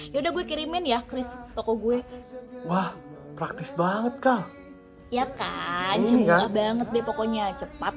yaudah gue kirimin ya chris toko gue wah praktis banget kak ya kan juga banget deh pokoknya cepat